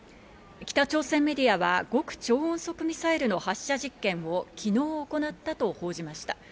北朝鮮メディアは極超音速ミサイルの発射実験を昨日行ったと報じました。